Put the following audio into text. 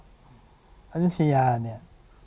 ประนิสยาเนี่ย